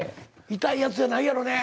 痛いやつじゃないやろね？